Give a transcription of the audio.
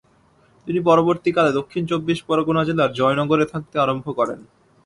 তিনি পরবর্তী কালে দক্ষিণ চব্বিশ পরগনা জেলার জয়নগরে থাকতে আরম্ভ করেন।